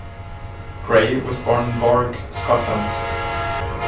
Gray was born in Borgue, Scotland.